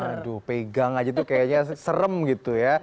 aduh pegang aja tuh kayaknya serem gitu ya